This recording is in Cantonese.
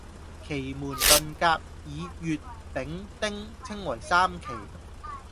奇門遁甲以乙、丙、丁稱為三奇